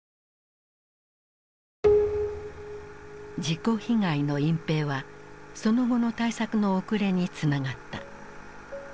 事故被害の隠蔽はその後の対策の遅れにつながった。